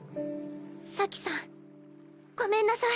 咲さんごめんなさい。